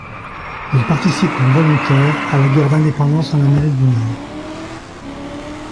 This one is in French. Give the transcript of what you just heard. Il participe comme volontaire à la guerre d'indépendance en Amérique du nord.